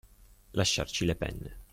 Lasciarci le penne.